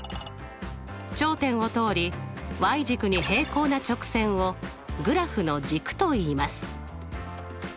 頂点を通り軸に平行な直線をグラフの軸といいます。